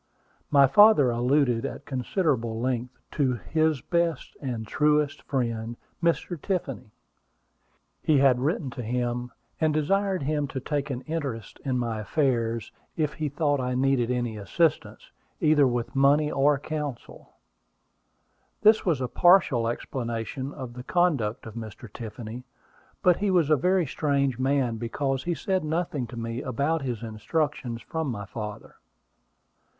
My father alluded at considerable length to "his best and truest friend," Mr. Tiffany. He had written to him, and desired him to take an interest in my affairs if he thought I needed any assistance, either with money or counsel. This was a partial explanation of the conduct of Mr. Tiffany; but he was a very strange man because he said nothing to me about his instructions from my father.